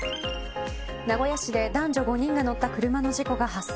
名古屋市で男女５人が乗った車の事故が発生。